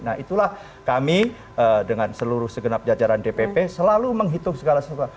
nah itulah kami dengan seluruh segenap jajaran dpp selalu menghitung segala sesuatu